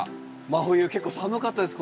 真冬結構寒かったです